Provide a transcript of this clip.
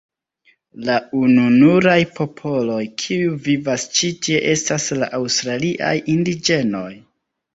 La ununuraj popoloj, kiuj vivas ĉi tie estas la aŭstraliaj indiĝenoj.